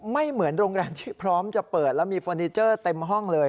ไม่เหมือนโรงแรมที่พร้อมจะเปิดแล้วมีเฟอร์นิเจอร์เต็มห้องเลย